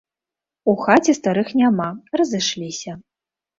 У хаце старых няма, разышліся.